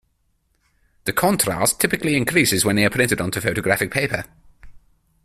The contrast typically increases when they are printed onto photographic paper.